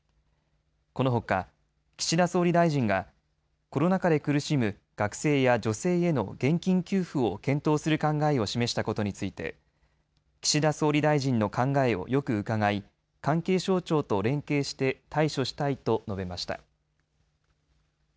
このほか岸田総理大臣がコロナ禍で苦しむ学生や女性への現金給付を検討する考えを示したことについて岸田総理大臣の考えをよく伺い関係省庁と連携して対処したいと述べました。